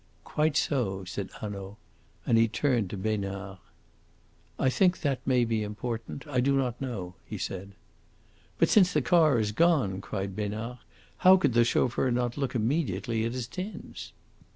"Quite so," said Hanaud, and he turned to Besnard. "I think that may be important. I do not know," he said. "But since the car is gone," cried Besnard, "how could the chauffeur not look immediately at his tins?"